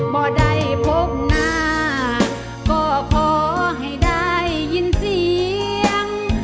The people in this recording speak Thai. บ่ได้พบหน้าก็ขอให้ได้ยินเสียง